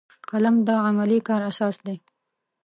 قلم د علمي کار اساس دی